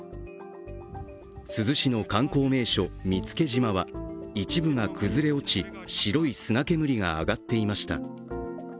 珠洲市の観光名所、見附島は一部が崩れ落ち、白い砂煙が上がっていました。